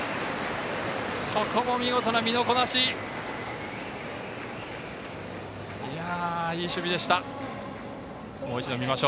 ここも見事な身のこなし！